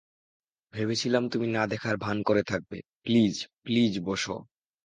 ভেবেছিলাম তুমি না দেখার ভান করে থাকবে প্লিজ, প্লিজ বসো।